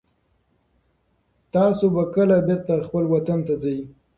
تاسو به کله بېرته خپل وطن ته ځئ؟